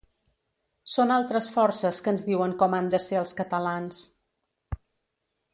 Són altres forces que ens diuen com han de ser els catalans.